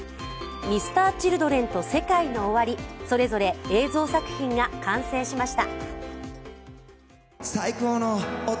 Ｍｒ．ＣｈｉｌｄｒｅｎとＳＥＫＡＩＮＯＯＷＡＲＩ、それぞれ映像作品が完成しました。